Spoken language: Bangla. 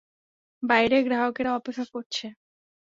বাইরে গ্রাহকেরা অপেক্ষা করছে।